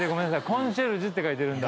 「コンシェルジュ」って書いてるんだ。